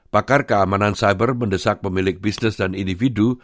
pakar keamanan cyber mendesak pemilik bisnis dan individu